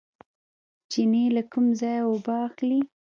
چینې له کوم ځای اوبه اخلي؟